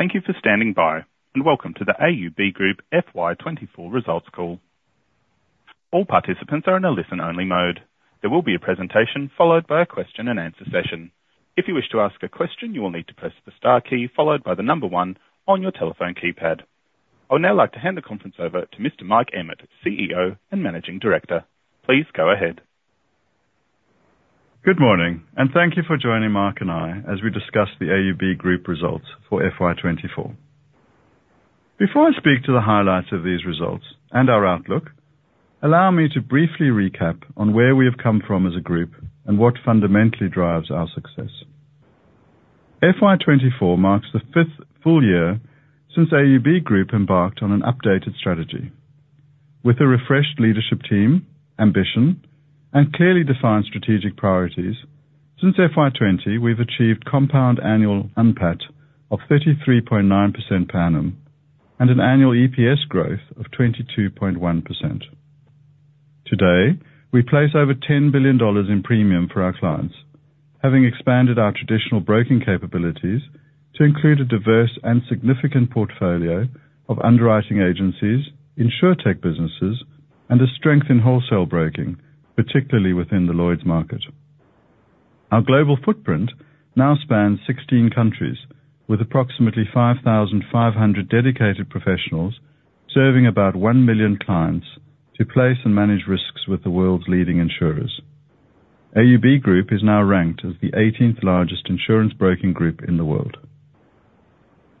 Thank you for standing by, and welcome to the AUB Group FY 2024 Results Call. All participants are in a listen-only mode. There will be a presentation, followed by a question and answer session. If you wish to ask a question, you will need to press the star key, followed by the number one on your telephone keypad. I would now like to hand the conference over to Mr. Mike Emmett, CEO and Managing Director. Please go ahead. Good morning, and thank you for joining Mark and I as we discuss the AUB Group results for FY 2024. Before I speak to the highlights of these results and our outlook, allow me to briefly recap on where we have come from as a group and what fundamentally drives our success. FY 2024 marks the 5th full year since AUB Group embarked on an updated strategy. With a refreshed leadership team, ambition, and clearly defined strategic priorities, since FY 2020, we've achieved compound annual NPAT of 33.9% per annum and an annual EPS growth of 22.1%. Today, we place over 10 billion dollars in premium for our clients, having expanded our traditional broking capabilities to include a diverse and significant portfolio of underwriting agencies, InsurTech businesses, and a strength in wholesale broking, particularly within the Lloyd's market. Our global footprint now spans 16 countries, with approximately 5,500 dedicated professionals serving about 1 million clients to place and manage risks with the world's leading insurers. AUB Group is now ranked as the 18th largest insurance broking group in the world.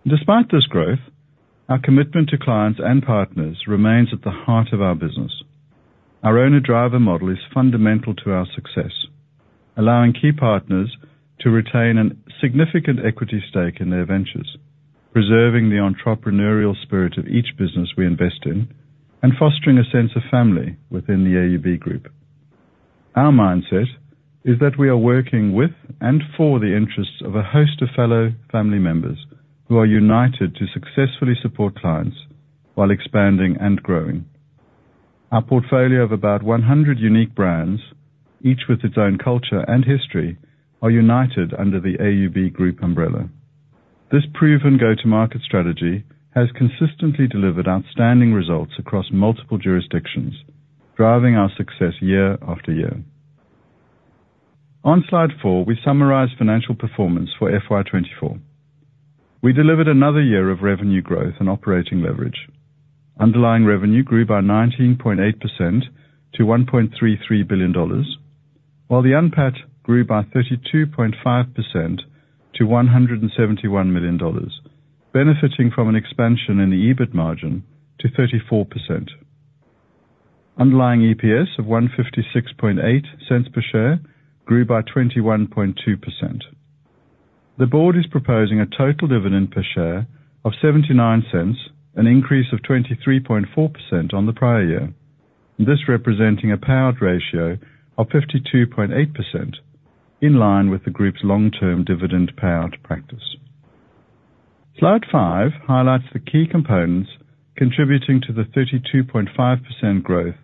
Despite this growth, our commitment to clients and partners remains at the heart of our business. Our owner-driver model is fundamental to our success, allowing key partners to retain a significant equity stake in their ventures, preserving the entrepreneurial spirit of each business we invest in and fostering a sense of family within the AUB Group. Our mindset is that we are working with and for the interests of a host of fellow family members, who are united to successfully support clients while expanding and growing. Our portfolio of about 100 unique brands, each with its own culture and history, are united under the AUB Group umbrella. This proven go-to-market strategy has consistently delivered outstanding results across multiple jurisdictions, driving our success year after year. On Slide 4, we summarize financial performance for FY 2024. We delivered another year of revenue growth and operating leverage. Underlying revenue grew by 19.8% to AUD 1.33 billion, while the NPAT grew by 32.5% to 171 million dollars, benefiting from an expansion in the EBIT margin to 34%. Underlying EPS of 1.568 per share grew by 21.2%. The board is proposing a total dividend per share of 0.79, an increase of 23.4% on the prior year, and this representing a payout ratio of 52.8%, in line with the group's long-term dividend payout practice. Slide 5 highlights the key components contributing to the 32.5% growth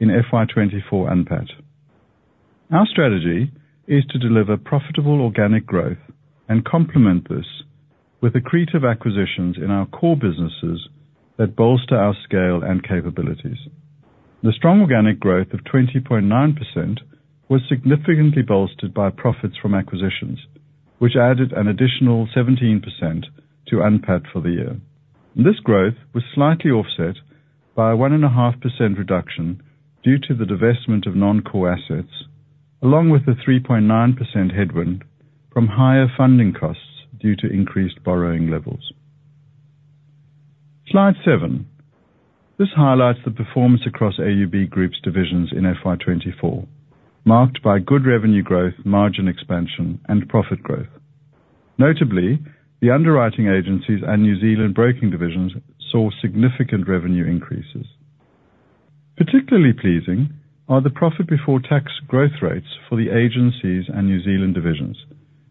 in FY 2024 NPAT. Our strategy is to deliver profitable organic growth and complement this with accretive acquisitions in our core businesses that bolster our scale and capabilities. The strong organic growth of 20.9% was significantly bolstered by profits from acquisitions, which added an additional 17% to NPAT for the year. This growth was slightly offset by a 1.5% reduction due to the divestment of non-core assets, along with the 3.9% headwind from higher funding costs due to increased borrowing levels. Slide seven. This highlights the performance across AUB Group's divisions in FY 2024, marked by good revenue growth, margin expansion, and profit growth. Notably, the underwriting agencies and New Zealand broking divisions saw significant revenue increases. Particularly pleasing are the profit before tax growth rates for the agencies and New Zealand divisions,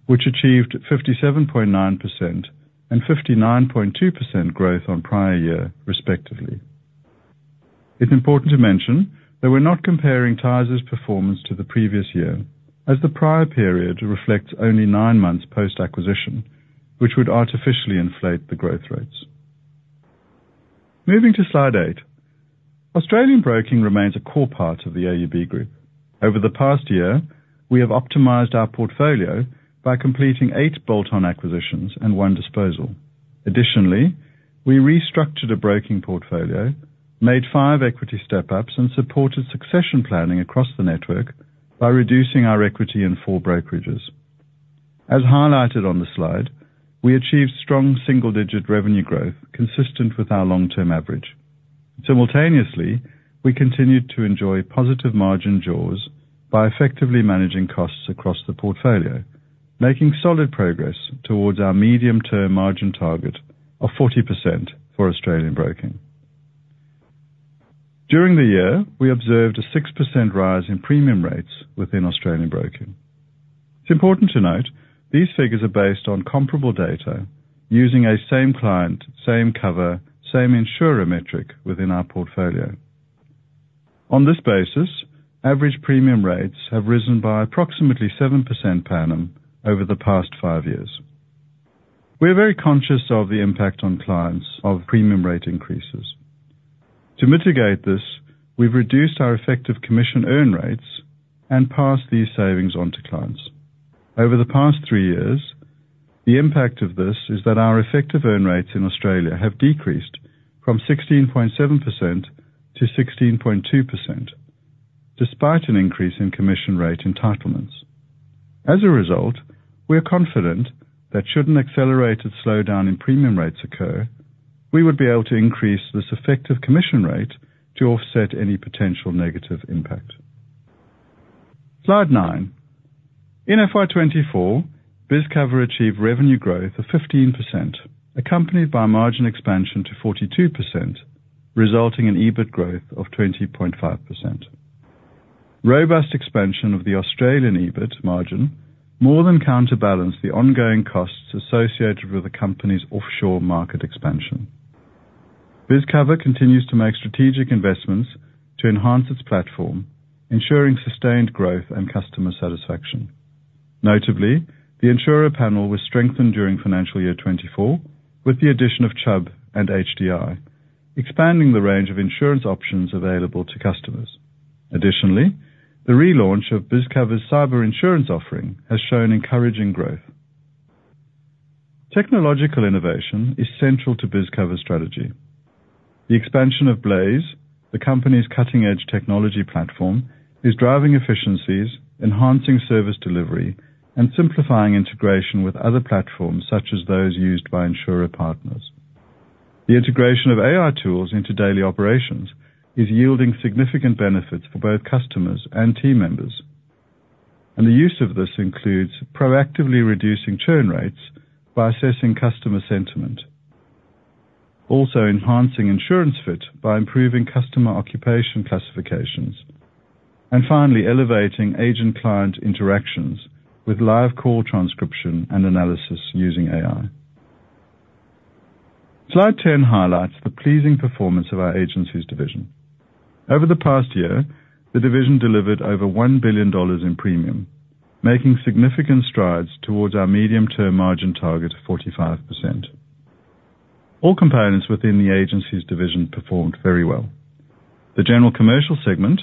which achieved 57.9% and 59.2% growth on prior year, respectively. It's important to mention that we're not comparing Tysers's performance to the previous year, as the prior period reflects only nine months post-acquisition, which would artificially inflate the growth rates. Moving to Slide eight. Australian Broking remains a core part of the AUB Group. Over the past year, we have optimized our portfolio by completing eight bolt-on acquisitions and one disposal. Additionally, we restructured a broking portfolio, made five equity step-ups, and supported succession planning across the network by reducing our equity in four brokerages. As highlighted on the Slide, we achieved strong single-digit revenue growth consistent with our long-term average. Simultaneously, we continued to enjoy positive margin jaws by effectively managing costs across the portfolio, making solid progress towards our medium-term margin target of 40% for Australian Broking. During the year, we observed a 6% rise in premium rates within Australian Broking. It's important to note these figures are based on comparable data using a same client, same cover, same insurer metric within our portfolio. On this basis, average premium rates have risen by approximately 7% per annum over the past five years. We are very conscious of the impact on clients of premium rate increases. To mitigate this, we've reduced our effective commission earn rates and passed these savings on to clients. Over the past three years, the impact of this is that our effective earn rates in Australia have decreased from 16.7% to 16.2%, despite an increase in commission rate entitlements. As a result, we are confident that should an accelerated slowdown in premium rates occur, we would be able to increase this effective commission rate to offset any potential negative impact. Slide 9. In FY 2024, BizCover achieved revenue growth of 15%, accompanied by a margin expansion to 42%, resulting in EBIT growth of 20.5%. Robust expansion of the Australian EBIT margin more than counterbalanced the ongoing costs associated with the company's offshore market expansion. BizCover continues to make strategic investments to enhance its platform, ensuring sustained growth and customer satisfaction. Notably, the insurer panel was strengthened during financial year 2024 with the addition of Chubb and HDI, expanding the range of insurance options available to customers. Additionally, the relaunch of BizCover's cyber insurance offering has shown encouraging growth. Technological innovation is central to BizCover's strategy. The expansion of Blaze, the company's cutting-edge technology platform, is driving efficiencies, enhancing service delivery, and simplifying integration with other platforms, such as those used by insurer partners. The integration of AI tools into daily operations is yielding significant benefits for both customers and team members, and the use of this includes proactively reducing churn rates by assessing customer sentiment, also enhancing insurance fit by improving customer occupation classifications, and finally elevating agent-client interactions with live call transcription and analysis using AI. Slide 10 highlights the pleasing performance of our agencies division. Over the past year, the division delivered over AUD 1 billion in premium, making significant strides towards our medium-term margin target of 45%. All components within the agencies division performed very well. The general commercial segment,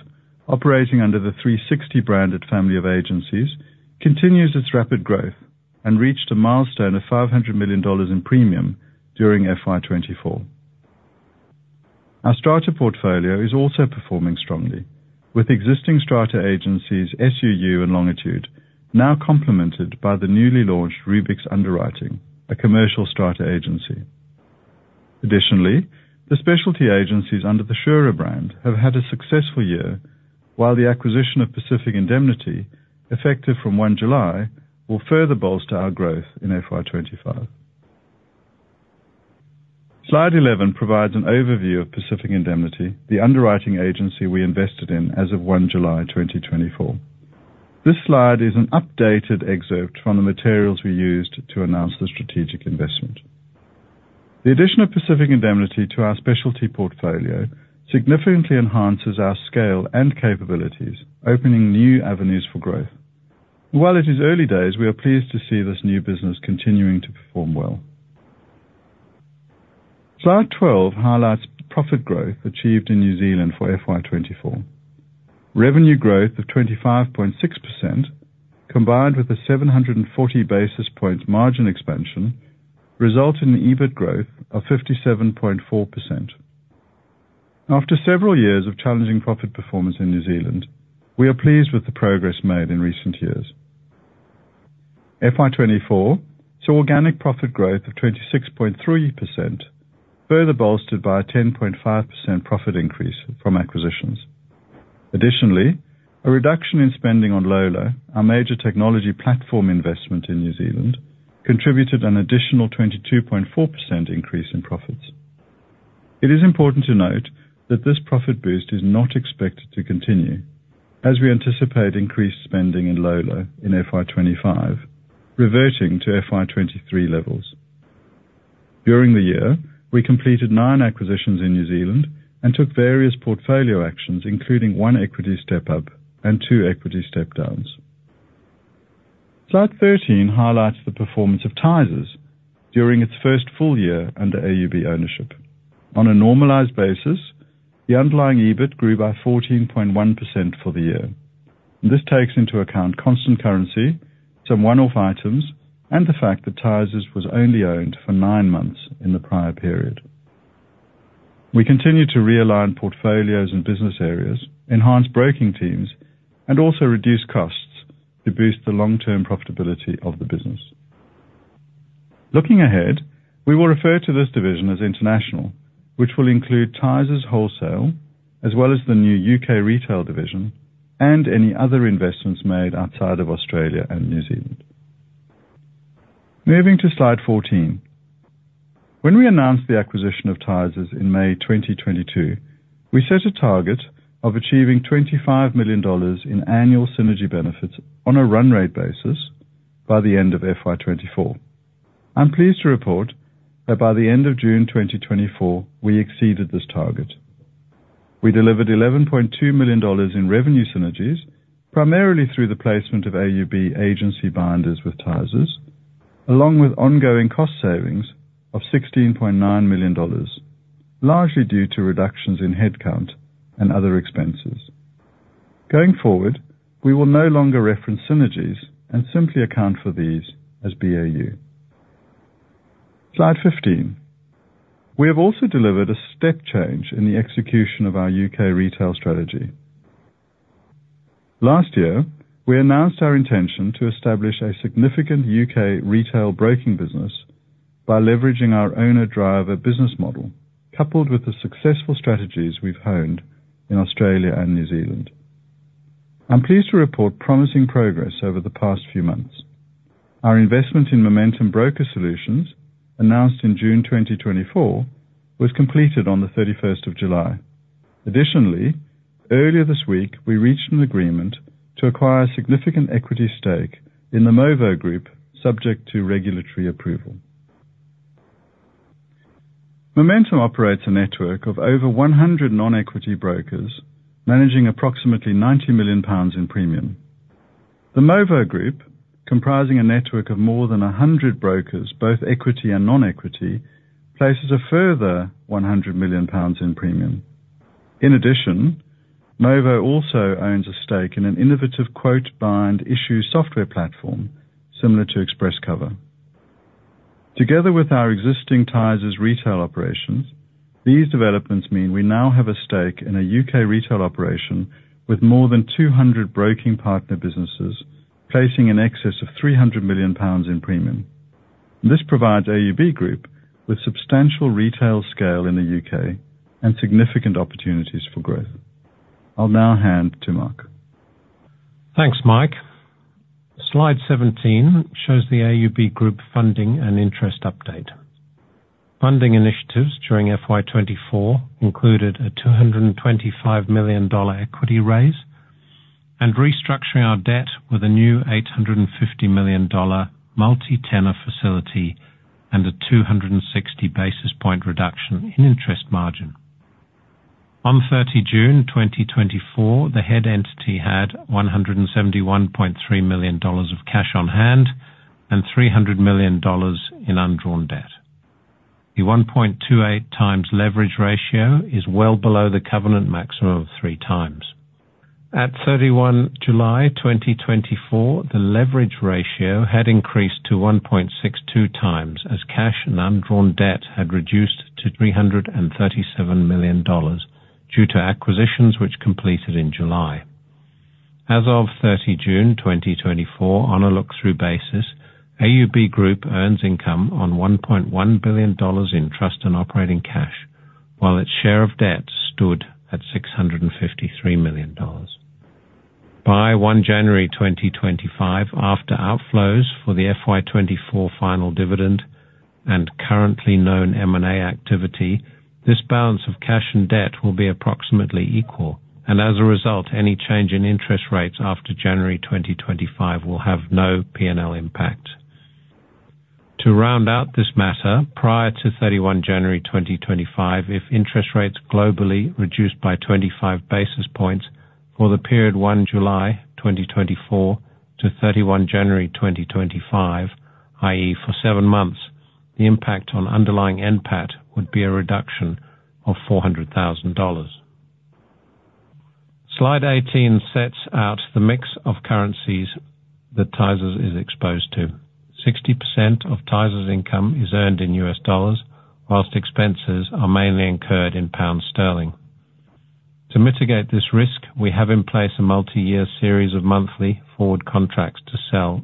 operating under the 360-branded family of agencies, continues its rapid growth and reached a milestone of 500 million dollars in premium during FY 2024. Our strata portfolio is also performing strongly, with existing strata agencies, SUU and Longitude, now complemented by the newly launched Rubix Underwriting, a commercial strata agency. Additionally, the specialty agencies under the SURA brand have had a successful year, while the acquisition of Pacific Indemnity, effective from 1 July, will further bolster our growth in FY 2025. Slide 11 provides an overview of Pacific Indemnity, the underwriting agency we invested in as of 1 July 2024. This Slide is an updated excerpt from the materials we used to announce the strategic investment. The addition of Pacific Indemnity to our specialty portfolio significantly enhances our scale and capabilities, opening new avenues for growth. While it is early days, we are pleased to see this new business continuing to perform well. Slide 12 highlights profit growth achieved in New Zealand for FY 2024. Revenue growth of 25.6%, combined with a 740 basis points margin expansion, resulted in an EBIT growth of 57.4%. After several years of challenging profit performance in New Zealand, we are pleased with the progress made in recent years. FY 2024 saw organic profit growth of 26.3%, further bolstered by a 10.5% profit increase from acquisitions. Additionally, a reduction in spending on Lola, our major technology platform investment in New Zealand, contributed an additional 22.4% increase in profits. It is important to note that this profit boost is not expected to continue, as we anticipate increased spending in Lola in FY 2025, reverting to FY 2023 levels. During the year, we completed nine acquisitions in New Zealand and took various portfolio actions, including one equity step-up and two equity step-downs. Slide 13 highlights the performance of Tysers during its first full year under AUB ownership. On a normalized basis, the underlying EBIT grew by 14.1% for the year. This takes into account constant currency, some one-off items, and the fact that Tysers was only owned for nine months in the prior period. We continue to realign portfolios and business areas, enhance broking teams, and also reduce costs to boost the long-term profitability of the business. Looking ahead, we will refer to this division as international, which will include Tysers Wholesale, as well as the new U.K. retail division and any other investments made outside of Australia and New Zealand. Moving to Slide fourteen. When we announced the acquisition of Tysers in May 2022, we set a target of achieving 25 million dollars in annual synergy benefits on a run rate basis by the end of FY 2024. I'm pleased to report that by the end of June 2024, we exceeded this target. We delivered 11.2 million dollars in revenue synergies, primarily through the placement of AUB agency binders with Tysers, along with ongoing cost savings of 16.9 million dollars, largely due to reductions in headcount and other expenses. Going forward, we will no longer reference synergies and simply account for these as BAU. Slide 15. We have also delivered a step change in the execution of our U.K. retail strategy. Last year, we announced our intention to establish a significant U.K. retail broking business by leveraging our owner-driver business model, coupled with the successful strategies we've honed in Australia and New Zealand. I'm pleased to report promising progress over the past few months. Our investment in Momentum Broker Solutions, announced in June 2024, was completed on the 31st of July. Additionally, earlier this week, we reached an agreement to acquire a significant equity stake in the Movo Group, subject to regulatory approval. Momentum operates a network of over 100 non-equity brokers, managing approximately 90 million pounds in premium. The Movo Group, comprising a network of more than 100 brokers, both equity and non-equity, places a further 100 million pounds in premium. In addition, Movo also owns a stake in an innovative quote bind issue software platform similar to ExpressCover. Together with our existing Tysers retail operations, these developments mean we now have a stake in a U.K. retail operation with more than 200 broking partner businesses, placing in excess of 300 million pounds in premium. This provides AUB Group with substantial retail scale in the U.K. and significant opportunities for growth. I'll now hand to Mark. Thanks, Mike. Slide 17 shows the AUB Group funding and interest update. Funding initiatives during FY 2024 included a 225 million dollar equity raise and restructuring our debt with a new 850 million dollar multi-tenor facility and a 260 basis point reduction in interest margin. On 30 June 2024, the head entity had 171.3 million dollars of cash on hand and 300 million dollars in undrawn debt. The 1.28 times leverage ratio is well below the covenant maximum of 3 times. At 31 July 2024, the leverage ratio had increased to 1.62 times, as cash and undrawn debt had reduced to 337 million dollars due to acquisitions which completed in July. As of 30 June 2024, on a look-through basis, AUB Group earns income on 1.1 billion dollars in trust and operating cash, while its share of debt stood at 653 million dollars. By 1 January 2025, after outflows for the FY 2024 final dividend and currently known M&A activity, this balance of cash and debt will be approximately equal, and as a result, any change in interest rates after January 2025 will have no P&L impact. To round out this matter, prior to 31 January 2025, if interest rates globally reduced by 25 basis points for the period 1 July 2024 to 31 January 2025, i.e., for seven months, the impact on underlying NPAT would be a reduction of 400,000 dollars. Slide 18 sets out the mix of currencies that Tysers is exposed to. 60% of Tysers' income is earned in US dollars, while expenses are mainly incurred in pound sterling. To mitigate this risk, we have in place a multi-year series of monthly forward contracts to sell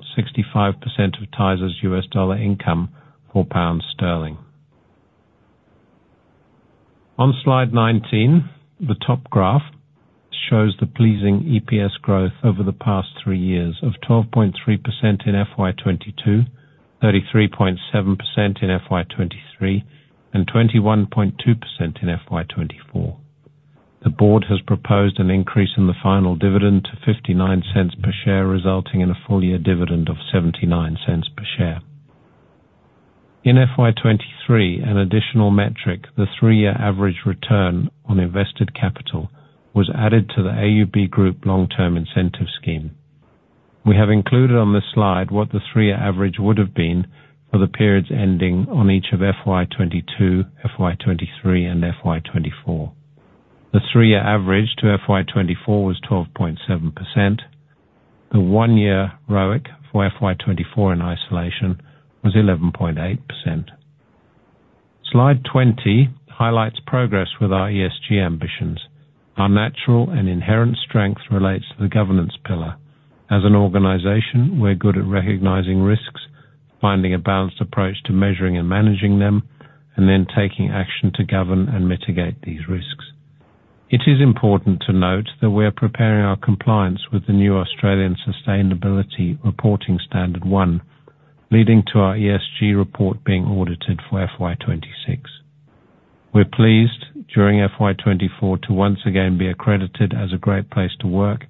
65% of Tysers' US dollar income for pound sterling. On Slide 19, the top graph shows the pleasing EPS growth over the past three years of 12.3% in FY 2022, 33.7% in FY 2023, and 21.2% in FY 2024. The board has proposed an increase in the final dividend to 0.59 per share, resulting in a full-year dividend of 0.79 per share. In FY 2023, an additional metric, the three-year average return on invested capital, was added to the AUB Group long-term incentive scheme. We have included on this Slide what the three-year average would have been for the periods ending on each of FY 2022, FY 2023, and FY 2024. The three-year average to FY 2024 was 12.7%. The one-year ROIC for FY 2024 in isolation was 11.8%. Slide 20 highlights progress with our ESG ambitions. Our natural and inherent strength relates to the governance pillar. As an organization, we're good at recognizing risks, finding a balanced approach to measuring and managing them, and then taking action to govern and mitigate these risks. It is important to note that we are preparing our compliance with the new Australian Sustainability Reporting Standard one, leading to our ESG report being audited for FY 2026. We're pleased, during FY 2024, to once again be accredited as a great place to work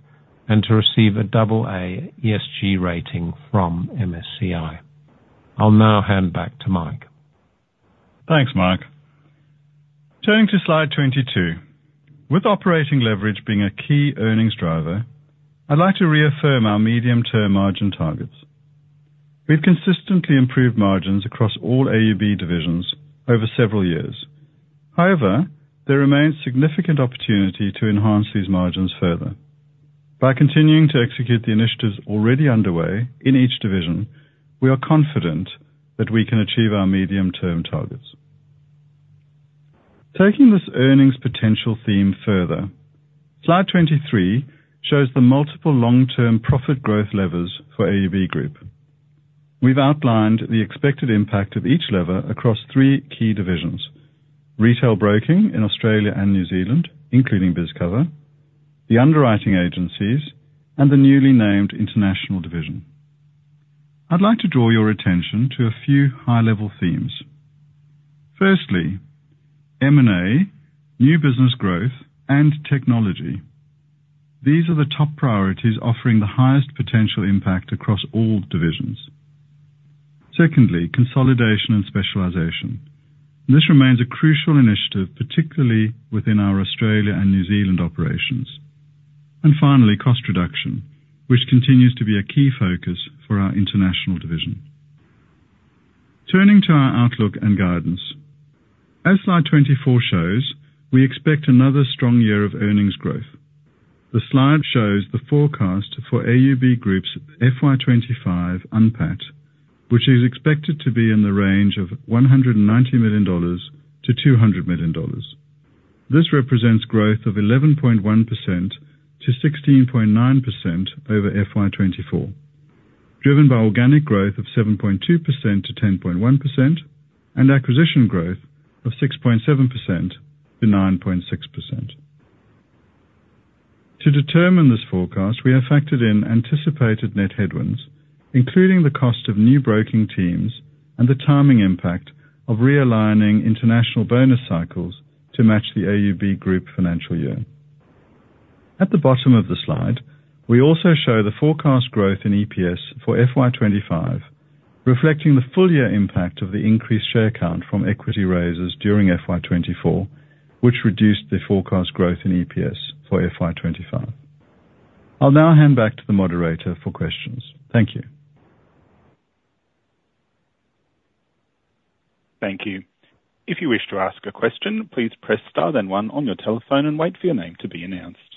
and to receive a double A ESG rating from MSCI. I'll now hand back to Mike. Thanks, Mike. Turning to Slide 22. With operating leverage being a key earnings driver, I'd like to reaffirm our medium-term margin targets. We've consistently improved margins across all AUB divisions over several years. However, there remains significant opportunity to enhance these margins further. By continuing to execute the initiatives already underway in each division, we are confident that we can achieve our medium-term targets. Taking this earnings potential theme further, Slide 23 shows the multiple long-term profit growth levers for AUB Group. We've outlined the expected impact of each lever across three key divisions: retail broking in Australia and New Zealand, including BizCover, the underwriting agencies, and the newly named international division. I'd like to draw your attention to a few high-level themes. Firstly, M&A, new business growth, and technology. These are the top priorities offering the highest potential impact across all divisions. Secondly, consolidation and specialization. This remains a crucial initiative, particularly within our Australia and New Zealand operations. And finally, cost reduction, which continues to be a key focus for our international division. Turning to our outlook and guidance. As Slide 24 shows, we expect another strong year of earnings growth. The Slide shows the forecast for AUB Group's FY 25 NPAT, which is expected to be in the range of 190 million-200 million dollars. This represents growth of 11.1% to 16.9% over FY 24, driven by organic growth of 7.2% to 10.1% and acquisition growth of 6.7% to 9.6%. To determine this forecast, we have factored in anticipated net headwinds, including the cost of new broking teams and the timing impact of realigning international bonus cycles to match the AUB Group financial year. At the bottom of the Slide, we also show the forecast growth in EPS for FY 2025, reflecting the full year impact of the increased share count from equity raises during FY 2024, which reduced the forecast growth in EPS for FY 2025. I'll now hand back to the moderator for questions. Thank you. Thank you. If you wish to ask a question, please press star then one on your telephone, and wait for your name to be announced.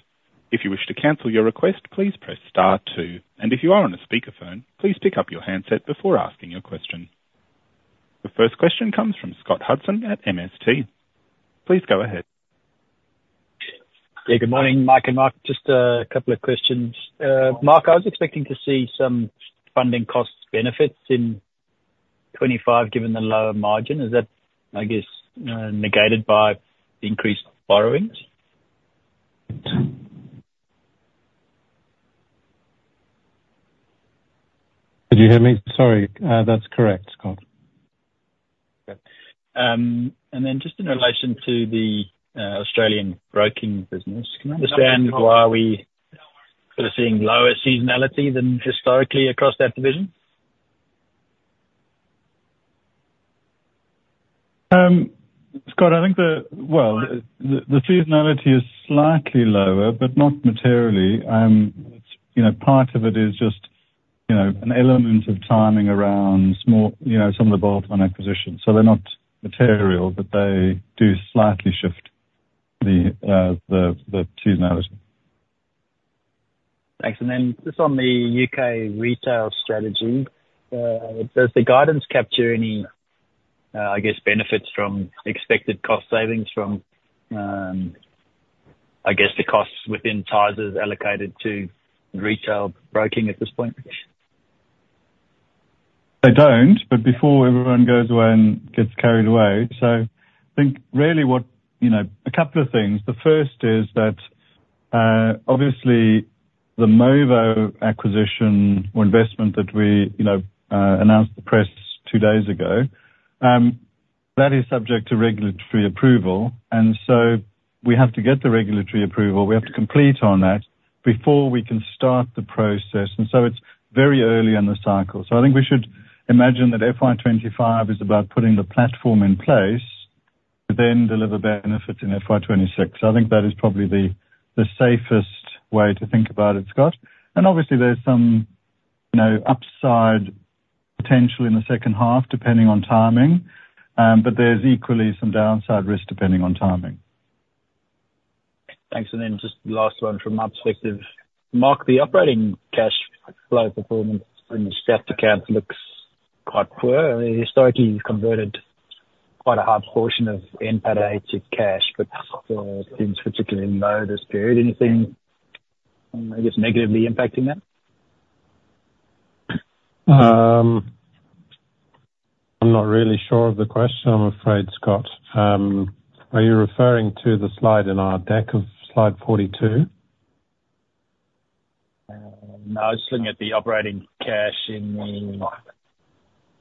If you wish to cancel your request, please press star two. And if you are on a speakerphone, please pick up your handset before asking your question. The first question comes from Scott Hudson at MST. Please go ahead. Yeah, good morning, Mike and Mark. Just a couple of questions. Mark, I was expecting to see some funding costs benefits in 2025, given the lower margin. Is that, I guess, negated by the increased borrowings? Did you hear me? Sorry. That's correct, Scott. Okay, and then just in relation to the Australian broking business, can I understand why we are seeing lower seasonality than historically across that division? Scott, I think the seasonality is slightly lower, but not materially. You know, part of it is just, you know, an element of timing around small, you know, some of the bolt-on acquisitions, so they're not material, but they do slightly shift the seasonality. Thanks. And then just on the U.K. retail strategy, does the guidance capture any, I guess, benefits from expected cost savings from, I guess, the costs within Tysers allocated to retail broking at this point? They don't, but before everyone goes away and gets carried away, so I think a couple of things. The first is that, obviously, the Movo acquisition or investment that we, you know, announced to the press two days ago, that is subject to regulatory approval, and so we have to get the regulatory approval. We have to complete on that before we can start the process, and so it's very early in the cycle. So I think we should imagine that FY 2025 is about putting the platform in place to then deliver benefits in FY 2026. I think that is probably the safest way to think about it, Scott. And obviously, there's some, you know, upside potential in the second half, depending on timing, but there's equally some downside risk, depending on timing. Thanks. And then just last one from my perspective. Mark, the operating cash flow performance in the statutory account looks quite poor. Historically, you've converted quite a high portion of NPAT to cash, but things particularly low this period, anything, I guess, negatively impacting that? I'm not really sure of the question, I'm afraid, Scott. Are you referring to the Slide in our deck of Slide 42? No, I was looking at the operating cash in the--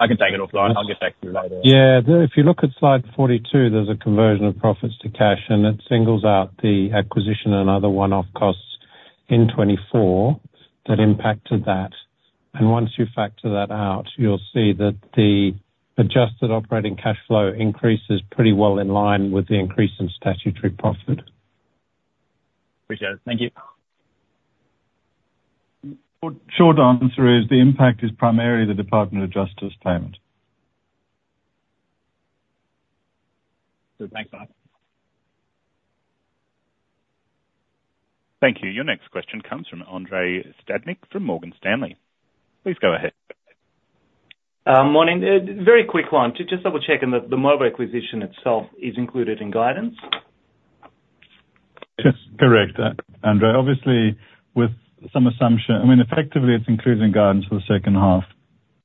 I can take it offline. I'll get back to you later. Yeah. If you look at Slide 42, there's a conversion of profits to cash, and it singles out the acquisition and other one-off costs in 2024 that impacted that. And once you factor that out, you'll see that the adjusted operating cash flow increase is pretty well in line with the increase in statutory profit. Appreciate it. Thank you. Short, short answer is the impact is primarily the Department of Justice payment. So thanks, Mike. Thank you. Your next question comes from Andrei Stadnik, from Morgan Stanley. Please go ahead. Morning. Very quick one. To just double check, and the Movo acquisition itself is included in guidance? Yes. Correct, Andrei. Obviously, with some assumption. I mean, effectively, it's included in guidance for the second half.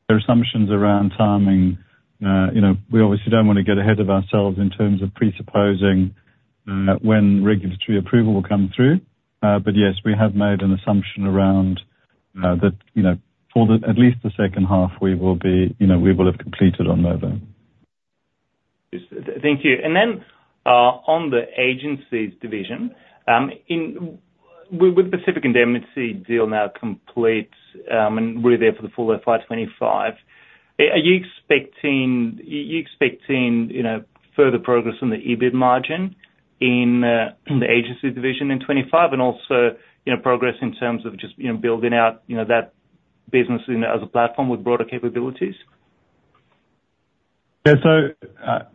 There are assumptions around timing. You know, we obviously don't want to get ahead of ourselves in terms of presupposing when regulatory approval will come through. But yes, we have made an assumption around that, you know, for the, at least the second half, we will be, you know, we will have completed on Movo. Yes. Thank you. And then, on the agencies division, in with the Pacific Indemnity deal now complete, and we're there for the full FY 2025, are you expecting, you know, further progress on the EBIT margin in, the agency division in 2025? And also, you know, progress in terms of just, you know, building out, you know, that business, you know, as a platform with broader capabilities? Yeah. So,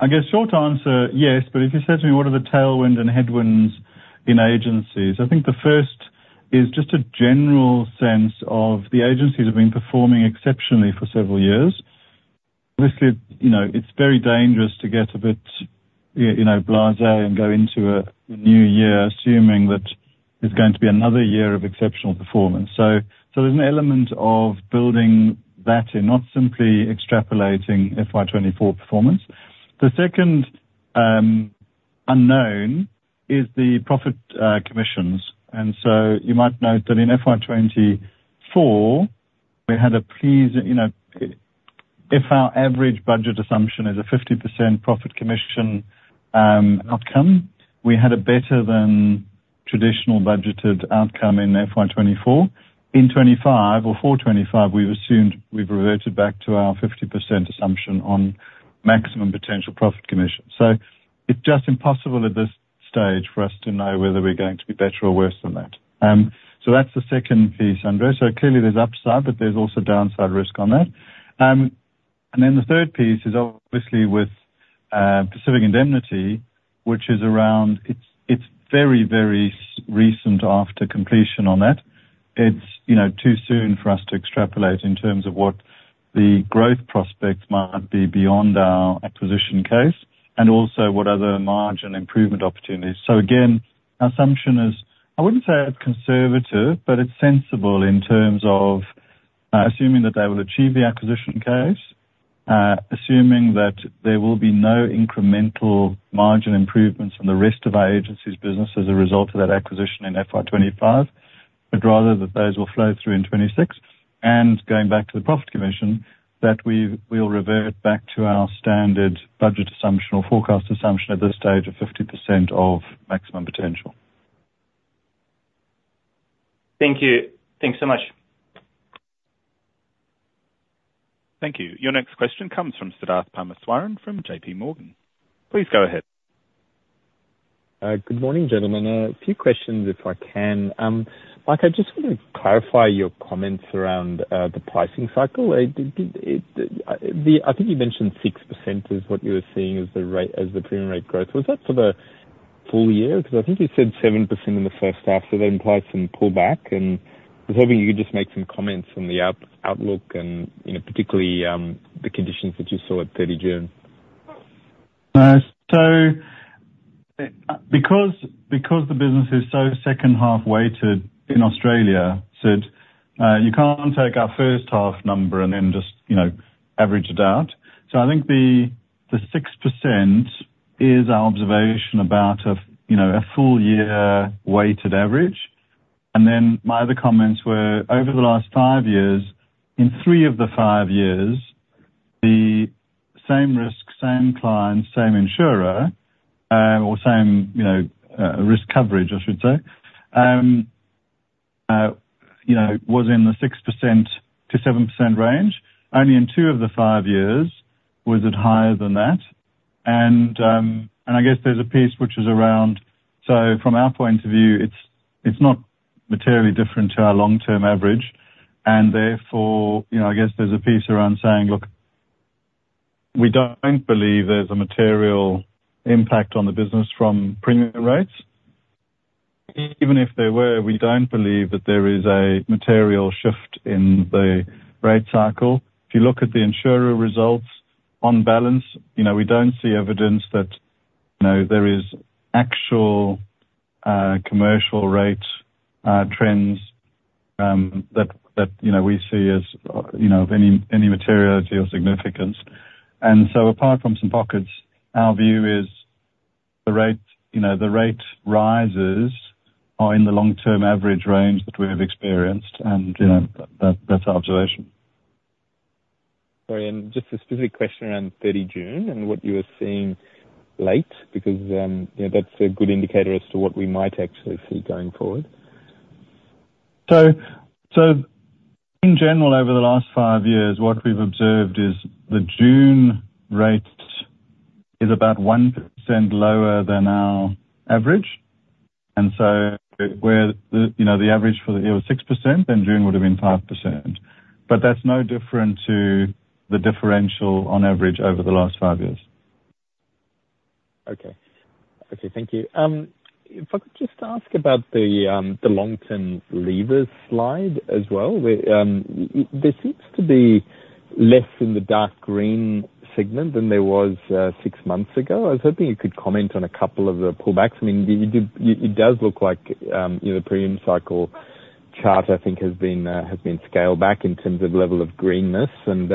I guess short answer, yes, but if you said to me, what are the tailwinds and headwinds in agencies? I think the first is just a general sense of the agencies have been performing exceptionally for several years. Obviously, you know, it's very dangerous to get a bit, you know, blasé and go into a new year assuming that it's going to be another year of exceptional performance. So, there's an element of building that in, not simply extrapolating FY 2024 performance. The second unknown is the profit commissions. And so you might note that in FY 2024, we had a, you know, if our average budget assumption is a 50% profit commission outcome, we had a better than traditional budgeted outcome in FY 2024. In 2025 or for 2025, we've assumed we've reverted back to our 50% assumption on maximum potential profit commission. So it's just impossible at this stage for us to know whether we're going to be better or worse than that. That's the second piece, Andrei. Clearly there's upside, but there's also downside risk on that. The third piece is obviously with Pacific Indemnity, which is very, very so recent after completion on that. You know, it's too soon for us to extrapolate in terms of what the growth prospects might be beyond our acquisition case, and also what the margin improvement opportunities are. Again, our assumption is, I wouldn't say it's conservative, but it's sensible in terms of assuming that they will achieve the acquisition case, assuming that there will be no incremental margin improvements in the rest of our agency's business as a result of that acquisition in FY 2025, but rather that those will flow through in 2026. Going back to the profit commission, we'll revert back to our standard budget assumption or forecast assumption at this stage of 50% of maximum potential. Thank you. Thanks so much. Thank you. Your next question comes from Siddharth Parameswaran from J.P. Morgan. Please go ahead. Good morning, gentlemen. A few questions, if I can. Mike, I just want to clarify your comments around the pricing cycle. I think you mentioned 6% is what you were seeing as the rate, as the premium rate growth. Was that for the full year? Because I think you said 7% in the first half, so that implies some pullback, and I was hoping you could just make some comments on the outlook and, you know, particularly, the conditions that you saw at thirty June. So, because the business is so second half weighted in Australia, Sid, you can't take our first half number and then just, you know, average it out. So I think the 6% is our observation about a, you know, a full year weighted average. And then my other comments were, over the last five years, in three of the five years, the same risk, same clients, same insurer, or same, you know, risk coverage, I should say, you know, was in the 6%-7% range. Only in two of the five years was it higher than that. And I guess there's a piece which is around. From our point of view, it's not materially different to our long-term average, and therefore, you know, I guess there's a piece around saying, "Look, we don't believe there's a material impact on the business from premium rates. Even if there were, we don't believe that there is a material shift in the rate cycle." If you look at the insurer results, on balance, you know, we don't see evidence that, you know, there is actual commercial rate trends that you know we see as you know of any materiality or significance, and so apart from some pockets, our view is the rate you know the rate rises are in the long-term average range that we have experienced, and you know that's our observation. Sorry, and just a specific question around 30 June and what you were seeing lately, because, you know, that's a good indicator as to what we might actually see going forward. So, in general, over the last five years, what we've observed is the June rate is about 1% lower than our average. And so, where, you know, the average for the year was 6%, then June would've been 5%. But that's no different to the differential on average over the last five years. Okay. Okay, thank you. If I could just ask about the, the long-term levers Slide as well, where, there seems to be less in the dark green segment than there was, six months ago. I was hoping you could comment on a couple of the pullbacks. I mean, it does look like, you know, the premium cycle chart, I think has been, has been scaled back in terms of level of greenness. And,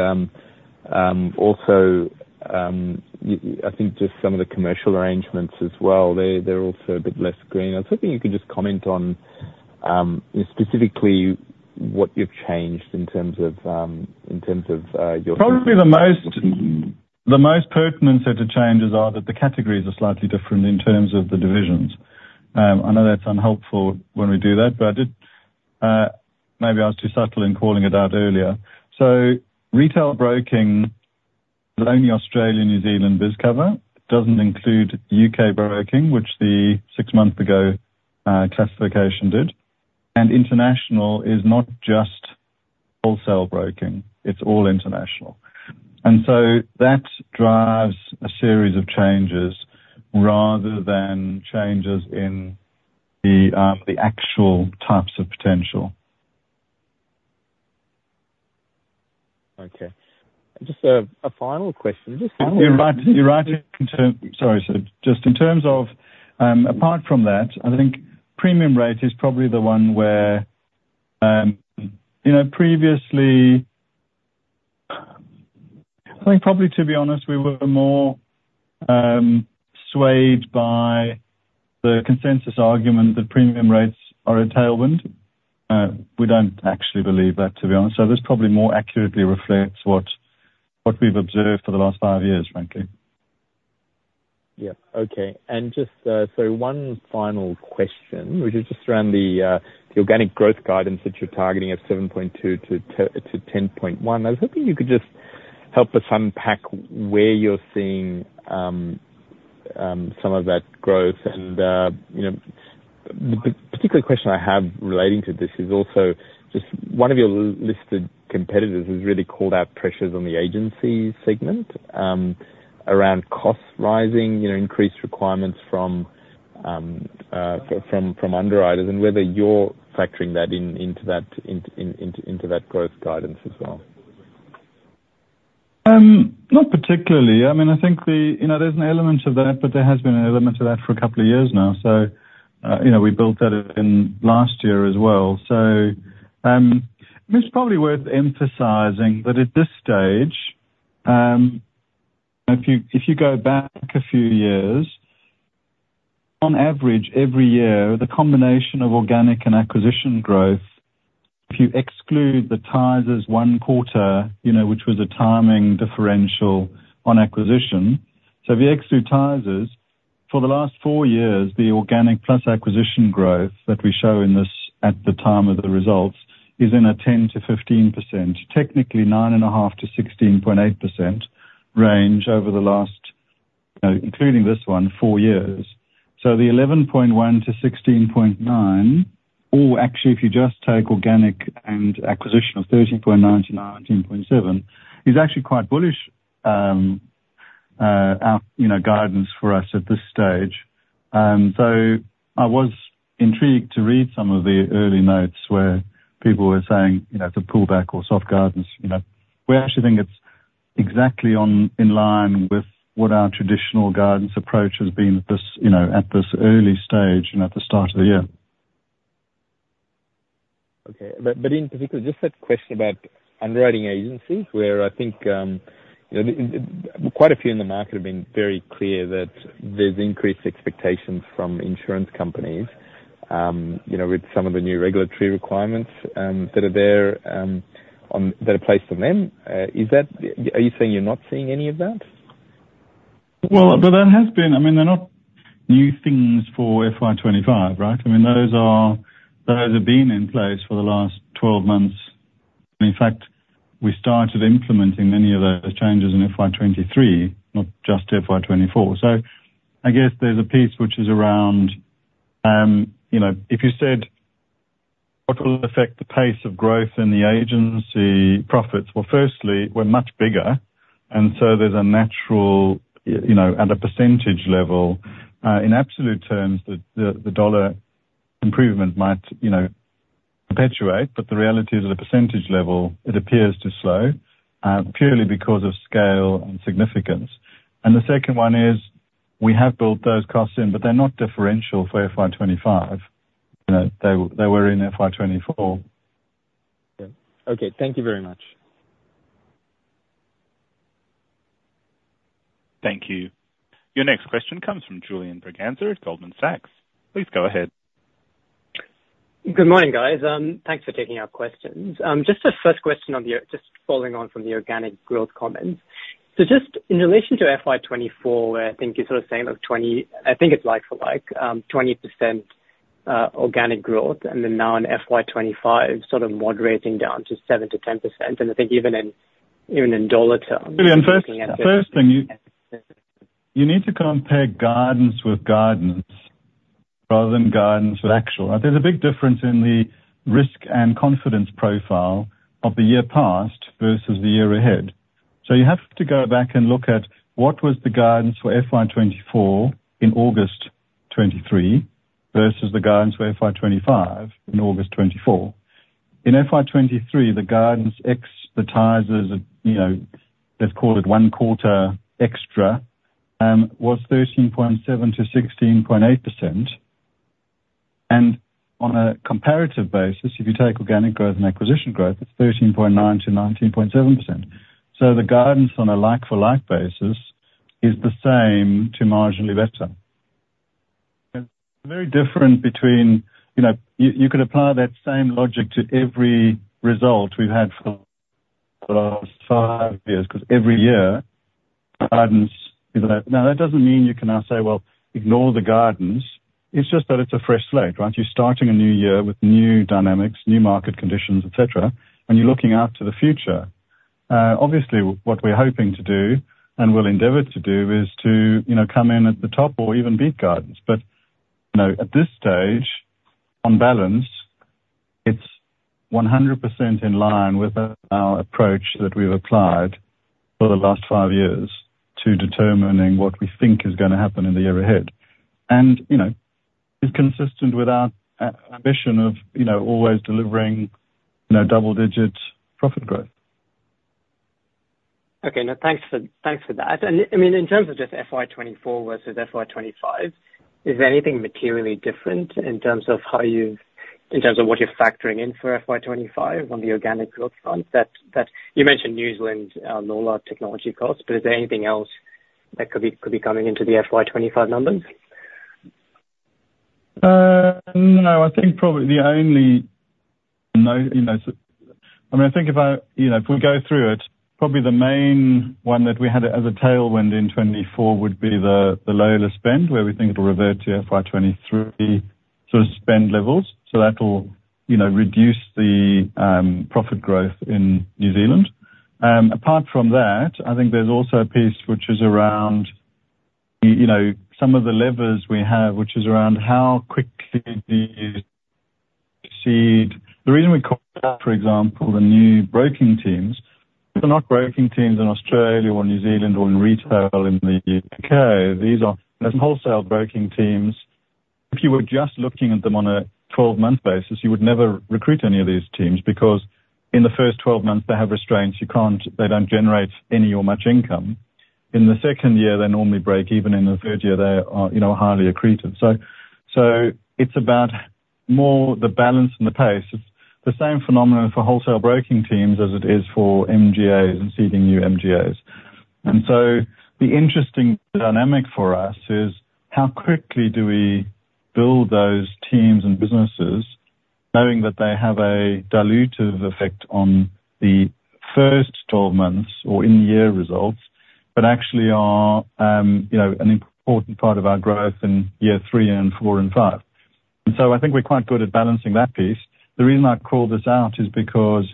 also, I think just some of the commercial arrangements as well, they're, they're also a bit less green. I was hoping you could just comment on, specifically what you've changed in terms of, in terms of, your- Probably the most pertinent set of changes are that the categories are slightly different in terms of the divisions. I know that's unhelpful when we do that, but maybe I was too subtle in calling it out earlier. So Retail Broking, only Australia and New Zealand BizCover, doesn't include U.K. Broking, which the classification six months ago did. And International is not just Wholesale Broking, it's all international. And so that drives a series of changes rather than changes in the actual types of potential. Okay. Just, a final question, just- You're right, you're right. So just in terms of, apart from that, I think premium rate is probably the one where, you know, previously, I think probably, to be honest, we were more swayed by the consensus argument that premium rates are a tailwind. We don't actually believe that, to be honest. So this probably more accurately reflects what we've observed for the last five years, frankly. Yeah. Okay. And just, so one final question, which is just around the organic growth guidance that you're targeting at 7.2 to 10.1. I was hoping you could just help us unpack where you're seeing some of that growth. And, you know, the particular question I have relating to this is also, just one of your listed competitors, has really called out pressures on the agency segment, around costs rising, you know, increased requirements from underwriters, and whether you're factoring that in, into that growth guidance as well. Not particularly. I mean, I think. You know, there's an element to that, but there has been an element to that for a couple of years now. So, you know, we built that in last year as well. So, it's probably worth emphasizing that at this stage, if you, if you go back a few years, on average, every year, the combination of organic and acquisition growth, if you exclude the Tysers one quarter, you know, which was a timing differential on acquisition. So if you exclude Tysers, for the last four years, the organic plus acquisition growth that we show in this at the time of the results, is in a 10%-15% range, technically 9.5%-16.8% range over the last, including this one, four years. So the 11.1%-16.9%, or actually, if you just take organic and acquisition of 13.9%-19.7%, is actually quite bullish. Our, you know, guidance for us at this stage, so I was intrigued to read some of the early notes where people were saying, you know, it's a pullback or soft guidance, you know? We actually think it's exactly on, in line with what our traditional guidance approach has been at this, you know, at this early stage and at the start of the year. Okay. But in particular, just that question about underwriting agencies, where I think, you know, quite a few in the market have been very clear that there's increased expectations from insurance companies, you know, with some of the new regulatory requirements that are there that are placed on them. Is that Are you saying you're not seeing any of that? But there has been. I mean, they're not new things for FY 2025, right? I mean, those are, those have been in place for the last 12 months. I mean, in fact, we started implementing many of those changes in FY 2023, not just FY 2024. So I guess there's a piece which is around, you know, if you said, what will affect the pace of growth in the agency profits? Well, firstly, we're much bigger, and so there's a natural, you know, at a percentage level, in absolute terms, the dollar improvement might, you know, perpetuate, but the reality is, at a percentage level, it appears to slow, purely because of scale and significance. And the second one is: we have built those costs in, but they're not differential for FY 2025. You know, they, they were in FY 2024. Yeah. Okay, thank you very much. Thank you. Your next question comes from Julian Braganza at Goldman Sachs. Please go ahead. Good morning, guys. Thanks for taking our questions. Just a first question on the just following on from the organic growth comments. So just in relation to FY 2024, where I think you're sort of saying of twenty, I think it's like-for-like 20% organic growth, and then now in FY 2025, sort of moderating down to 7%-10%. And I think even in, even in dollar terms- First thing, you need to compare guidance with guidance rather than guidance with actual. There's a big difference in the risk and confidence profile of the year past versus the year ahead. So you have to go back and look at what was the guidance for FY 2024 in August 2023 versus the guidance for FY 2025 in August 2024. In FY 2023, the guidance expectations, you know, let's call it one quarter extra, was 13.7%-16.8%. And on a comparative basis, if you take organic growth and acquisition growth, it's 13.9%-19.7%. So the guidance on a like-for-like basis is the same to marginally better. And very different between. You know, you could apply that same logic to every result we've had for the last five years, 'cause every year, guidance is up. Now, that doesn't mean you can now say, "Well, ignore the guidance." It's just that it's a fresh slate, right? You're starting a new year with new dynamics, new market conditions, et cetera, and you're looking after the future. Obviously, what we're hoping to do, and will endeavor to do, is to, you know, come in at the top or even beat guidance. But, you know, at this stage, on balance, it's 100% in line with our approach that we've applied for the last five years to determining what we think is gonna happen in the year ahead. And, you know, it's consistent with our ambition of, you know, always delivering, you know, double-digit profit growth. Okay. Now, thanks for, thanks for that. And, I mean, in terms of just FY 2024 versus FY 2025, is there anything materially different in terms of how you've in terms of what you're factoring in for FY 2025 on the organic growth front? That you mentioned New Zealand, lower technology costs, but is there anything else that could be, could be coming into the FY 2025 numbers? No, you know, I mean, I think if I, you know, if we go through it, probably the main one that we had as a tailwind in 2024 would be the lower the spend, where we think it'll revert to FY 2023 sort of spend levels. So that will, you know, reduce the profit growth in New Zealand. Apart from that, I think there's also a piece which is around, you know, some of the levers we have, which is around how quickly these succeed. The reason we call, for example, the new broking teams, they're not broking teams in Australia or New Zealand or in retail in the U.K. These are wholesale broking teams. If you were just looking at them on a twelve-month basis, you would never recruit any of these teams, because in the first twelve months, they have restraints. You can't. They don't generate any or much income. In the second year, they normally break even. In the third year, they are, you know, highly accretive. So it's about more the balance and the pace. It's the same phenomenon for wholesale broking teams as it is for MGAs and seeding new MGAs. And so the interesting dynamic for us is, how quickly do we build those teams and businesses, knowing that they have a dilutive effect on the first 12 months or in the year results, but actually are, you know, an important part of our growth in year three and four and five? And so I think we're quite good at balancing that piece. The reason I call this out is because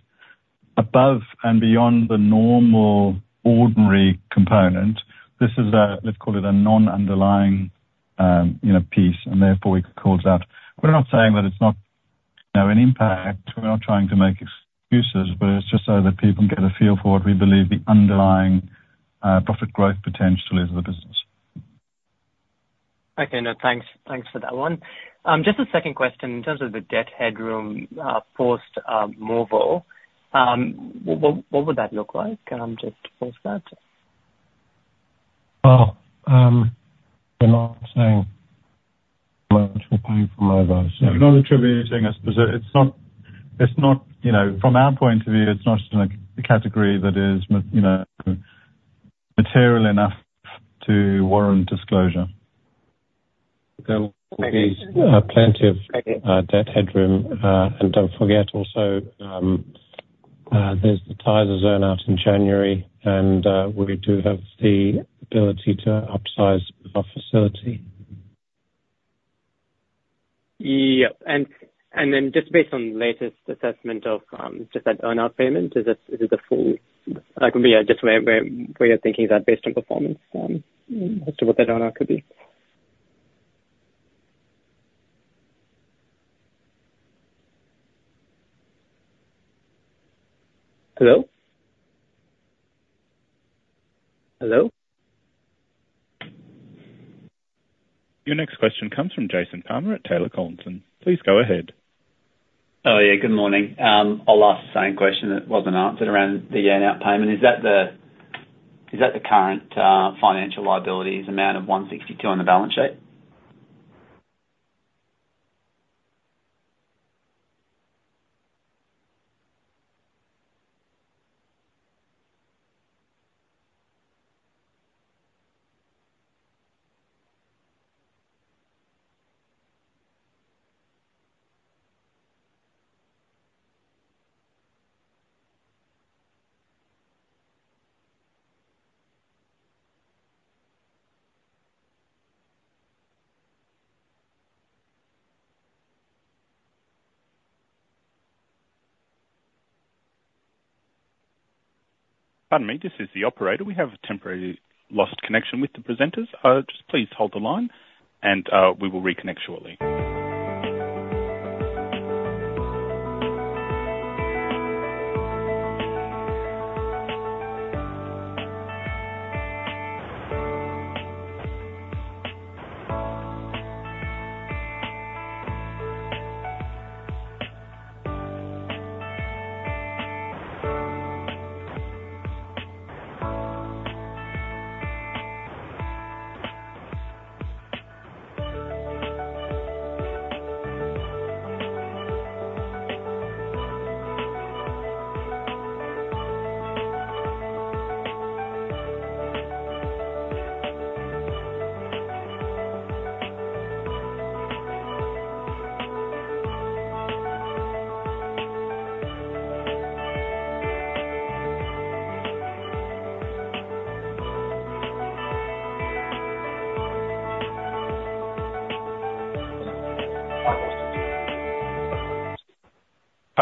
above and beyond the normal, ordinary component, this is a, let's call it a non-underlying, you know, piece, and therefore we call it out. We're not saying that it's not, you know, an impact. We're not trying to make excuses, but it's just so that people get a feel for what we believe the underlying, profit growth potential is of the business. Okay. No, thanks, thanks for that one. Just a second question. In terms of the debt headroom, post Movo, what would that look like, just post that? We're not saying much, we're paying for Movo. So, not attributing a specific. It's not, you know, from our point of view, it's not a category that is material enough to warrant disclosure. There will be plenty of debt headroom, and don't forget also, there's the Tysers earn-out in January, and we do have the ability to upsize our facility. Yeah. And then just based on the latest assessment of just that earn-out payment, is it the full like, just where you're thinking that based on performance as to what that earn-out could be? Hello? Hello? Your next question comes from Jason Palmer at Taylor Collison. Please go ahead. Oh, yeah. Good morning. I'll ask the same question that wasn't answered around the earn-out payment. Is that the current financial liabilities amount of 162 on the balance sheet? Pardon me, this is the operator. We have temporarily lost connection with the presenters. Just please hold the line and we will reconnect shortly.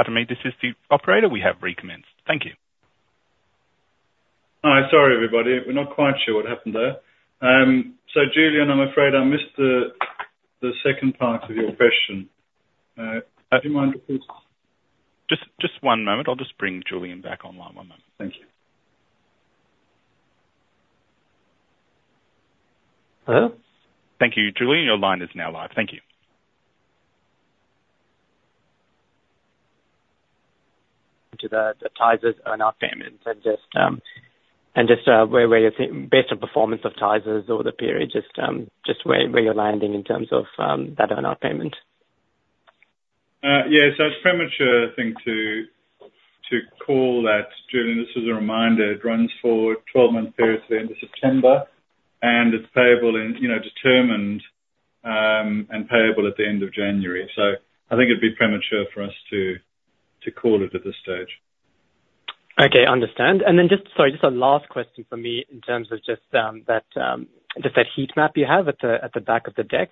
Pardon me, this is the operator. We have recommenced. Thank you. Hi, sorry, everybody. We're not quite sure what happened there. So Julian, I'm afraid I missed the second part of your question. Do you mind repeating? Just, just one moment. I'll just bring Julian back online. One moment. Thank you. Hello? Thank you, Julian. Your line is now live. Thank you. To the Tysers earn-out payments and just where you think, based on performance of Tysers over the period, just where you're landing in terms of that earn-out payment. Yeah, so it's a premature thing to call that, Julian. Just as a reminder, it runs for a twelve-month period to the end of September, and it's payable in, you know, determined, and payable at the end of January. So I think it'd be premature for us to call it at this stage. Okay, understand. And then just... Sorry, just a last question from me in terms of just that heat map you have at the back of the deck.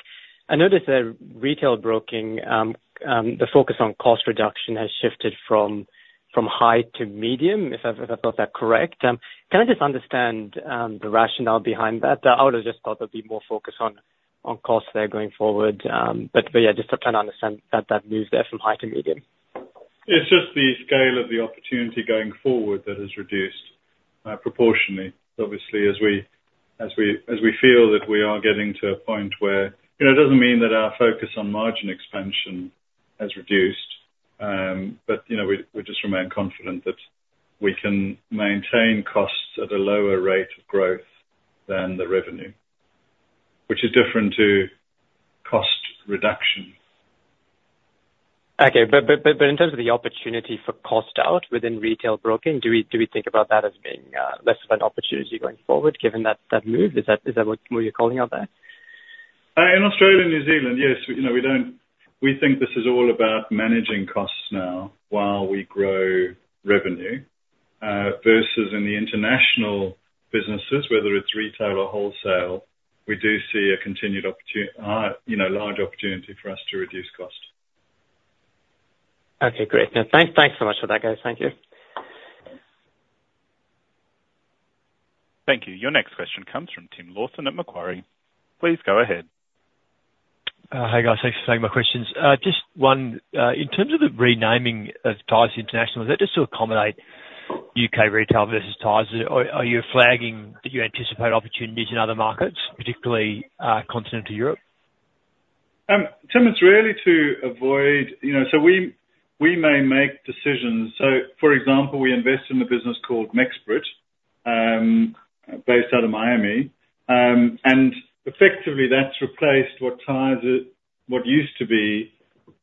I noticed that retail broking, the focus on cost reduction has shifted from high to medium, if I got that correct. Can I just understand the rationale behind that? I would've just thought there'd be more focus on cost there going forward. But yeah, just to kind of understand that move there from high to medium. It's just the scale of the opportunity going forward that has reduced proportionately. Obviously, as we feel that we are getting to a point where you know, it doesn't mean that our focus on margin expansion has reduced, but, you know, we just remain confident that we can maintain costs at a lower rate of growth than the revenue, which is different to cost reduction. Okay. But in terms of the opportunity for cost out within retail broking, do we think about that as being less of an opportunity going forward, given that move? Is that what you're calling out there? In Australia and New Zealand, yes. You know, We think this is all about managing costs now while we grow revenue, versus in the international businesses, whether it's retail or wholesale, we do see a continued, you know, large opportunity for us to reduce cost. Okay, great. Yeah, thanks, thanks so much for that, guys. Thank you. Thank you. Your next question comes from Tim Lawson at Macquarie. Please go ahead. Hi, guys. Thanks for taking my questions. Just one, in terms of the renaming of Tysers International, is that just to accommodate U.K. retail versus Tysers? Are you flagging that you anticipate opportunities in other markets, particularly, continental Europe? Tim, it's really to avoid you know, so we may make decisions. So for example, we invest in a business called Mexbury, based out of Miami, and effectively, that's replaced what Tysers used to be,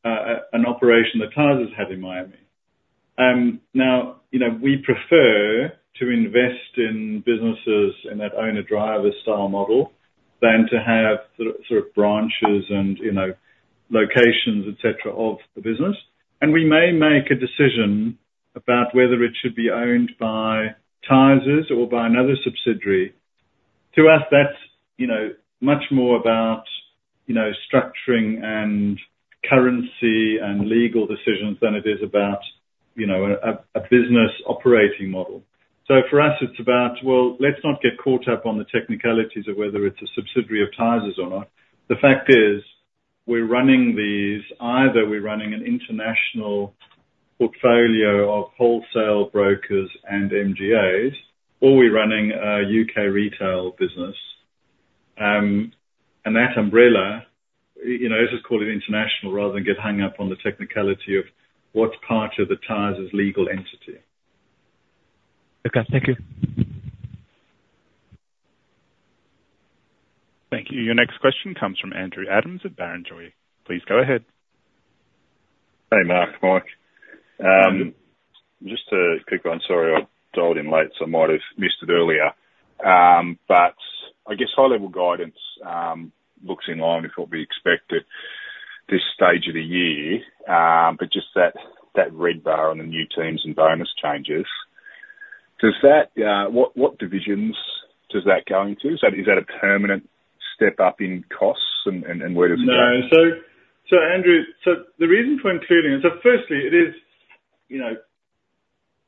an operation that Tysers had in Miami. Now, you know, we prefer to invest in businesses in that owner-driver style model, than to have sort of branches and, you know, locations, et cetera, of the business. And we may make a decision about whether it should be owned by Tysers or by another subsidiary. To us, that's, you know, much more about, you know, structuring and currency and legal decisions than it is about, you know, a business operating model. So for us, it's about, let's not get caught up on the technicalities of whether it's a subsidiary of Tysers or not. The fact is, we're running these, either we're running an international portfolio of wholesale brokers and MGAs, or we're running a U.K. retail business, and that umbrella, you know, let's just call it international rather than get hung up on the technicality of what's part of the Tysers legal entity. Okay. Thank you. Thank you. Your next question comes from Andrew Adams at Barrenjoey. Please go ahead. Hey, Mark, Mike. Just to kick on, sorry, I dialed in late, so I might have missed it earlier. But I guess high level guidance looks in line with what we expect at this stage of the year, but just that, that red bar on the new teams and bonus changes, does that what divisions does that go into? So is that a permanent step up in costs, and where does it go? No. So, Andrew, the reason for including it, so firstly, it is, you know,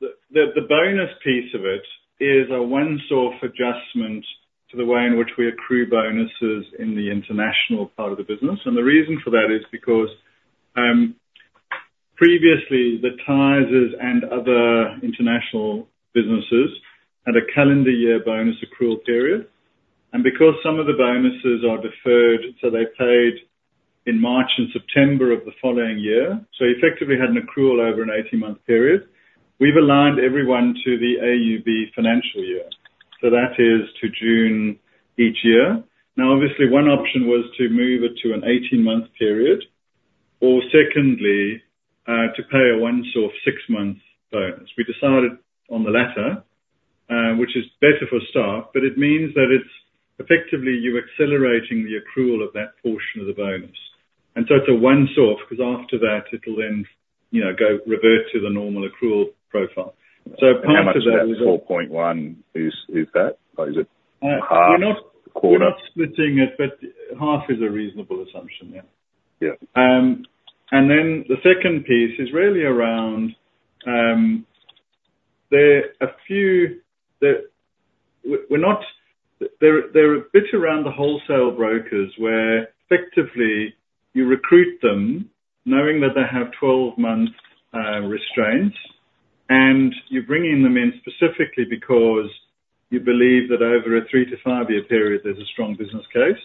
the bonus piece of it is a once-off adjustment to the way in which we accrue bonuses in the international part of the business. And the reason for that is because, previously, the Tysers and other international businesses had a calendar year bonus accrual period, and because some of the bonuses are deferred, so they're paid in March and September of the following year, so effectively had an accrual over an eighteen-month period, we've aligned everyone to the AUB financial year, so that is to June each year. Now, obviously, one option was to move it to an 18-month period, or secondly, to pay a once-off six-month bonus. We decided on the latter, which is better for staff, but it means that it's effectively you're accelerating the accrual of that portion of the bonus. And so it's a once-off, 'cause after that, it'll then, you know, go revert to the normal accrual profile. So part of that And how much of that four point one is that? Or is it half, quarter? We're not splitting it, but half is a reasonable assumption, yeah. Yeah. And then the second piece is really around. There are a few that we're not there. There are bits around the wholesale brokers, where effectively, you recruit them knowing that they have 12-month restraints, and you're bringing them in specifically because you believe that over a three- to five-year period, there's a strong business case.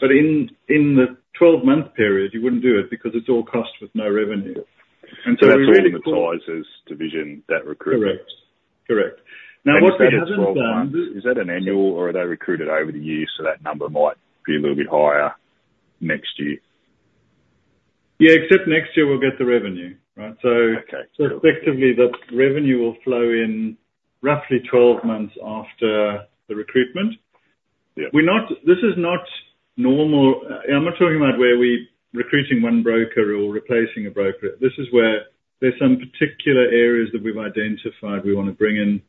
But in the 12-month period, you wouldn't do it because it's all cost with no revenue. And so- So that's all in the Tysers division, that recruitment? Correct. Correct. Now, what they haven't done- Is that an annual, or are they recruited over the years, so that number might be a little bit higher next year? Yeah, except next year we'll get the revenue, right? So- Okay. So effectively, the revenue will flow in roughly 12 months after the recruitment. Yeah. This is not normal. I'm not talking about where we're recruiting one broker or replacing a broker. This is where there's some particular areas that we've identified, we wanna bring in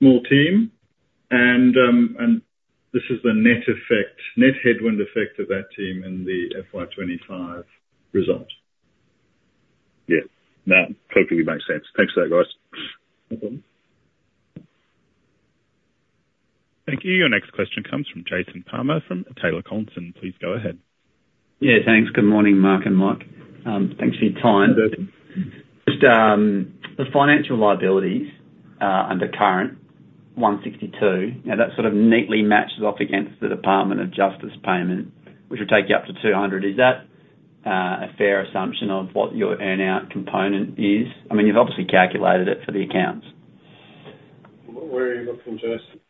a small team, and this is the net effect, net headwind effect of that team in the FY 2025 results. Yeah. No, totally makes sense. Thanks for that, guys. No problem. Thank you. Your next question comes from Jason Palmer from Taylor Collison. Please go ahead. Yeah, thanks. Good morning, Mark and Mike. Thanks for your time. Good day. Just the financial liabilities under current 162, now that sort of neatly matches off against the Department of Justice payment, which will take you up to 200. Is that a fair assumption of what your earn-out component is? I mean, you've obviously calculated it for the accounts. Where are you looking, Jason?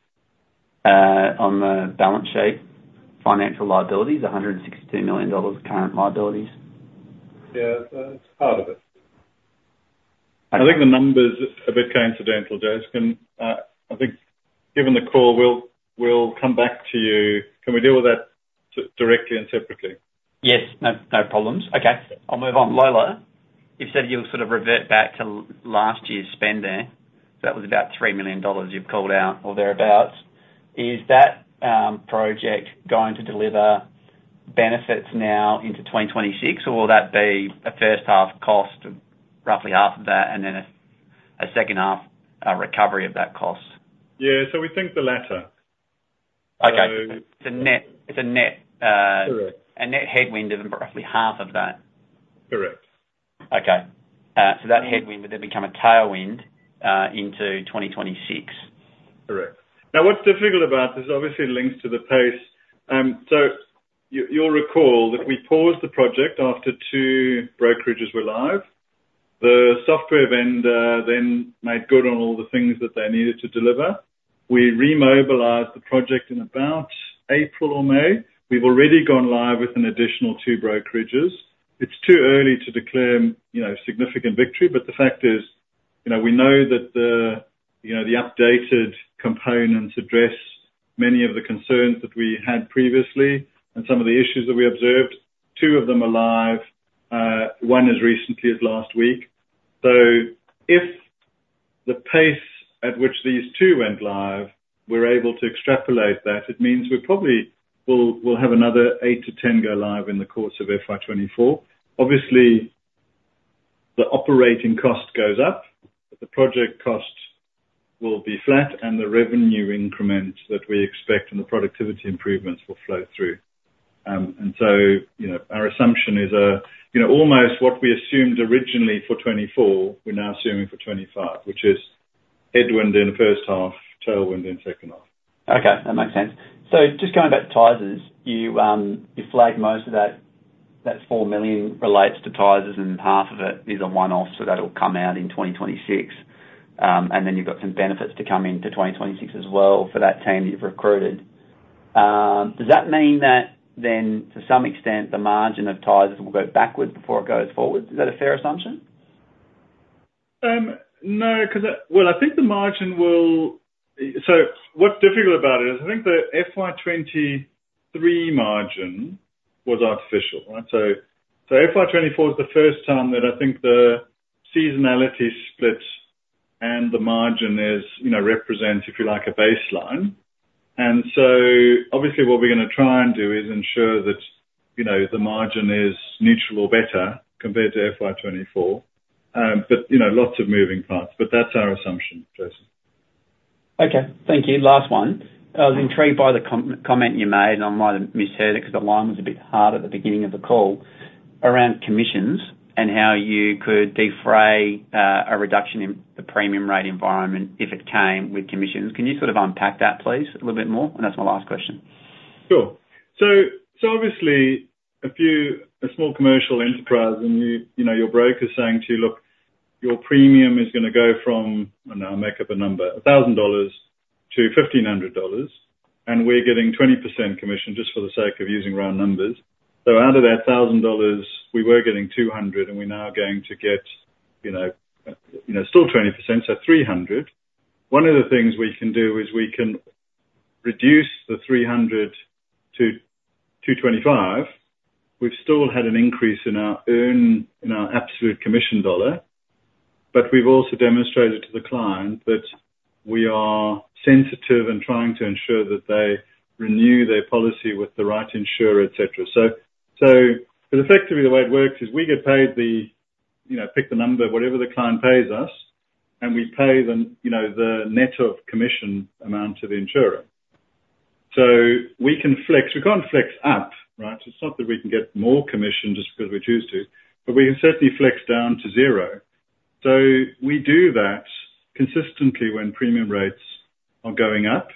On the balance sheet, financial liabilities, 116 million dollars of current liabilities. Yeah, that's part of it. I think the number's a bit coincidental, Jason. I think given the call, we'll come back to you. Can we deal with that directly and separately? Yes. No, no problems. Okay, I'll move on. Lola, you said you'll sort of revert back to last year's spending. That was about 3 million dollars you've called out, or thereabout. Is that project going to deliver benefits now into 2026, or will that be a first half cost of roughly half of that, and then a second half recovery of that cost? Yeah, so we think the latter. Okay. So It's a net. Correct. A net headwind of roughly half of that? Correct. Okay, so that headwind would then become a tailwind into 2026? Correct. Now, what's difficult about this, obviously links to the pace. So you'll recall that we paused the project after two brokerages were live. The software vendor then made good on all the things that they needed to deliver. We remobilized the project in about April or May. We've already gone live with an additional two brokerages. It's too early to declare, you know, significant victory, but the fact is, you know, we know that the, you know, the updated components address many of the concerns that we had previously and some of the issues that we observed. Two of them are live, one as recently as last week. So if the pace at which these two went live, we're able to extrapolate that, it means we probably will have another eight to ten go live in the course of FY 2024. Obviously, the operating cost goes up, but the project cost will be flat, and the revenue increment that we expect and the productivity improvements will flow through. And so, you know, our assumption is, you know, almost what we assumed originally for 2024, we're now assuming for 2025, which is headwind in the first half, tailwind in the second half. Okay, that makes sense. So just going back to Tysers, you flagged that 4 million relates to Tysers, and AUD 2 million of it is a one-off, so that'll come out in 2026. And then you've got some benefits to come into 2026 as well for that team that you've recruited. Does that mean that then, to some extent, the margin of Tysers will go backwards before it goes forward? Is that a fair assumption? No, 'cause. Well, I think the margin will. So what's difficult about it is, I think the FY 2023 margin was artificial, right? So FY 2024 is the first time that I think the seasonality split and the margin is, you know, represents, if you like, a baseline. And so obviously, what we're gonna try and do is ensure that, you know, the margin is neutral or better compared to FY 2024. But, you know, lots of moving parts, but that's our assumption, Jason. Okay. Thank you. Last one: I was intrigued by the comment you made, and I might have misheard it, 'cause the line was a bit hard at the beginning of the call, around commissions and how you could defray a reduction in the premium rate environment if it came with commissions. Can you sort of unpack that, please, a little bit more? And that's my last question. Sure. So, so obviously, if you're a small commercial enterprise, and you, you know, your broker's saying to you, "Look, your premium is gonna go from," I don't know, I'll make up a number, "1,000 dollars to 1,500 dollars," and we're getting 20% commission, just for the sake of using round numbers. So out of that 1,000 dollars, we were getting 200, and we're now going to get, you know, you know, still 20%, so 300. One of the things we can do is we can reduce the 300 to 250. We've still had an increase in our earn, in our absolute commission dollar, but we've also demonstrated to the client that we are sensitive and trying to ensure that they renew their policy with the right insurer, et cetera. But effectively, the way it works is we get paid the, you know, pick the number, whatever the client pays us, and we pay them, you know, the net of commission amount to the insurer. We can flex. We can't flex up, right? It's not that we can get more commission just because we choose to, but we can certainly flex down to zero. We do that consistently when premium rates are going up,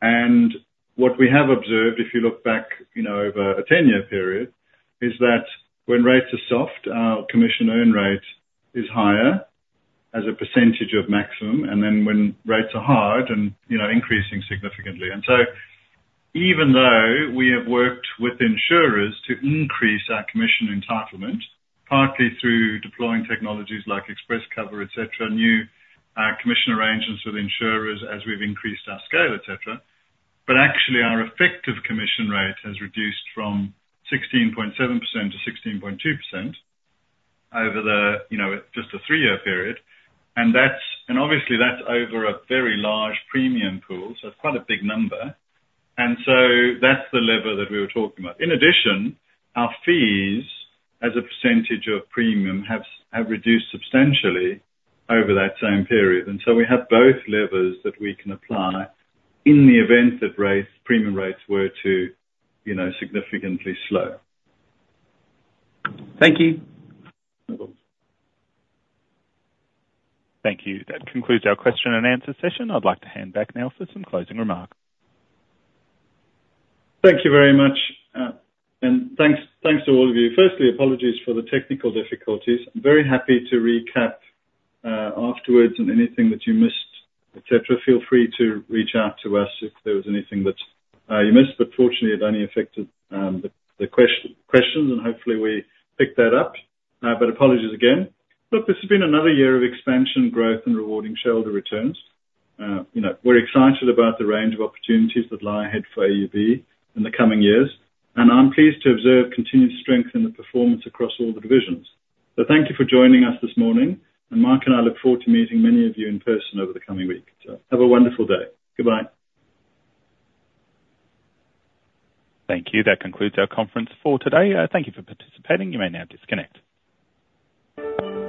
and what we have observed, if you look back, you know, over a ten-year period, is that when rates are soft, our commission earn rate is higher as a percentage of maximum, and then when rates are hard and, you know, increasing significantly. Even though we have worked with insurers to increase our commission entitlement, partly through deploying technologies like ExpressCover, et cetera, new commission arrangements with insurers as we've increased our scale, et cetera, but actually our effective commission rate has reduced from 16.7% to 16.2% over the, you know, just a three-year period. And that's. And obviously, that's over a very large premium pool, so it's quite a big number. And so that's the lever that we were talking about. In addition, our fees, as a percentage of premium, have have reduced substantially over that same period. And so we have both levers that we can apply in the event that rates, premium rates were to, you know, significantly slow. Thank you. No problem. Thank you. That concludes our question and answer session. I'd like to hand back now for some closing remarks. Thank you very much, and thanks to all of you. Firstly, apologies for the technical difficulties. I'm very happy to recap afterwards, and anything that you missed, et cetera, feel free to reach out to us if there was anything that you missed, but fortunately it only affected the questions, and hopefully we picked that up. But apologies again. Look, this has been another year of expansion, growth, and rewarding shareholder returns. You know, we're excited about the range of opportunities that lie ahead for AUB in the coming years, and I'm pleased to observe continued strength in the performance across all the divisions. So thank you for joining us this morning, and Mark and I look forward to meeting many of you in person over the coming week. So have a wonderful day. Goodbye. Thank you. That concludes our conference for today. Thank you for participating. You may now disconnect.